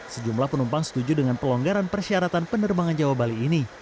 sejumlah penumpang setuju dengan pelonggaran persyaratan penerbangan jawa bali ini